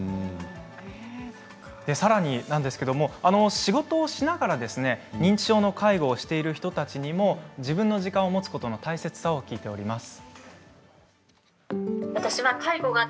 さらに仕事をしながら認知症の介護をしている人たちにも自分の時間を持つことの大切さを聞いています。